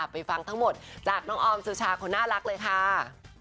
ไปฟังทั้งหมดจากน้องออมสุชาคนน่ารักเลยค่ะ